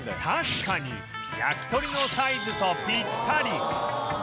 確かに焼き鳥のサイズとピッタリ！